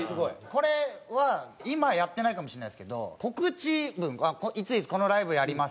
これは今やってないかもしれないですけど告知文「いついつこのライブやります」